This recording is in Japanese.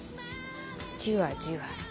じわじわと。